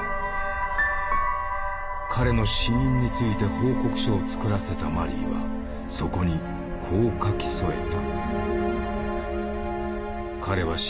彼の死因について報告書を作らせたマリーはそこにこう書き添えた。